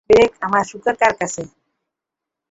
Derek, আমার শূকর কার কাছে?